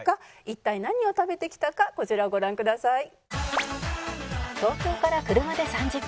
一体何を食べてきたかこちらをご覧ください。